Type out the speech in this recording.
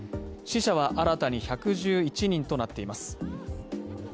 死者は新たに１１１人となっています